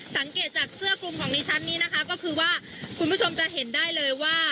สังเกตจากเสื้อคลุมของดิฉันนี้นะคะก็คือว่าคุณผู้ชมจะเห็นได้เลยว่า